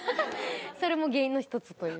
それも原因の一つという。